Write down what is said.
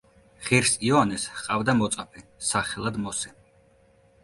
ღირს იოანეს ჰყავდა მოწაფე, სახელად მოსე.